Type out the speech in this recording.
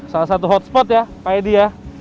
salah satu hotspot ya paihedi ya